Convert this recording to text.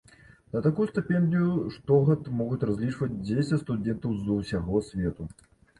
На такую стыпендыю штогод могуць разлічваць дзесяць студэнтаў з усяго свету.